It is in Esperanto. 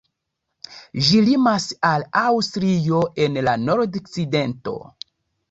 Ĝi limas al Aŭstrio en la nordokcidento.